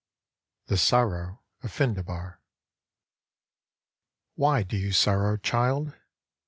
THE SORROW OF FINDEBAR " Why do you sorrow, child